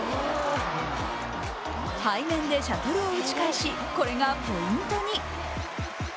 背面でシャトルを打ち返し、これがポイントに。